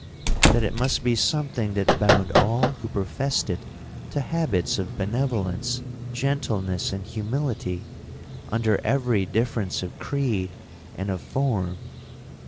'—'That it must be something that bound all who professed it to habits of benevolence, gentleness, and humility, under every difference of creed and of form.'